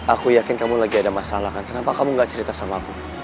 aku yakin kamu lagi ada masalah kan kenapa kamu gak cerita sama aku